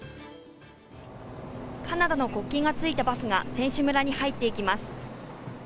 カナダの国旗がついたバスが選手村に入っていきます。